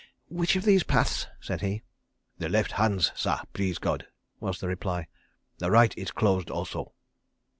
"Which of these paths?" said he. "The left hands, sah, please God," was the reply; "the right is closed also."